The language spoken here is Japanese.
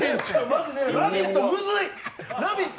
マジね、「ラヴィット！」